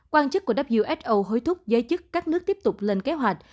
quan chức của who hối thúc giới chức các nước tiếp tục lên kế hoạch